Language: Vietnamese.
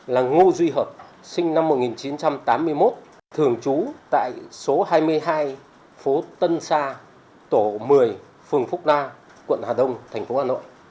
là ngô duy hợp sinh năm một nghìn chín trăm tám mươi một thường trú tại số hai mươi hai phố tân sa tổ một mươi phường phúc la quận hà đông thành phố hà nội